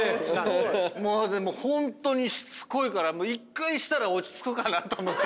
もうホントにしつこいから１回したら落ち着くかなと思って。